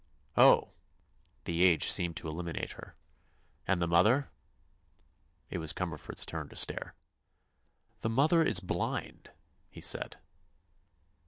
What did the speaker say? "Oh!" The age seemed to eliminate her. "And the mother?" It was Cumberford's turn to stare. "The mother is blind," he said.